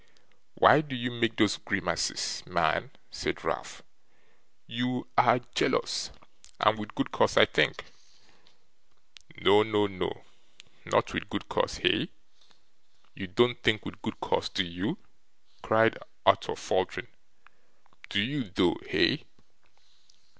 'Why do you make those grimaces, man?' said Ralph; 'you ARE jealous and with good cause I think.' 'No, no, no; not with good cause, hey? You don't think with good cause, do you?' cried Arthur, faltering. 'Do you though, hey?